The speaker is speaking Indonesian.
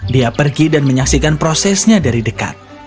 dia pergi dan menyaksikan prosesnya dari dekat